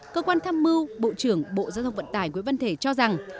cơ quan tham mưu bộ trưởng bộ giao thông vận tải nguyễn văn thể cho rằng